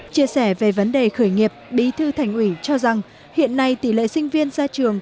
chia sẻ về vấn đề khởi nghiệp bí thư thành ủy cho rằng hiện nay tỷ lệ sinh viên ra trường